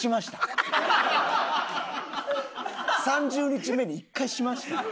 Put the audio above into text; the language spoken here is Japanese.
３０日目に１回しました。